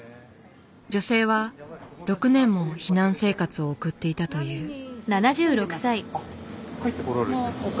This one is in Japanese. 女性は６年も避難生活を送っていたという。